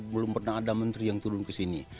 belum pernah ada menteri yang turun ke sini